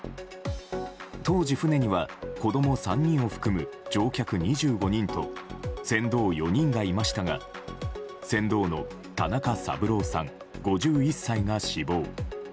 当時、船には子供３人を含む乗客２５人と船頭４人がいましたが船頭の田中三郎さん、５１歳が死亡。